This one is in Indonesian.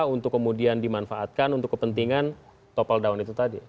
untuk kemudian dimanfaatkan untuk kepentingan topel down itu tadi